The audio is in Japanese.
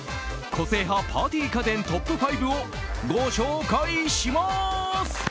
個性派パーティー家電トップ５をご紹介します。